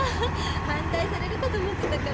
反対されるかと思ってたから。